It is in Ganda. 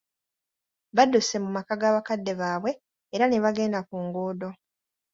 Badduse mu maka ga bakadde baabwe, era ne bagenda ku nguudo.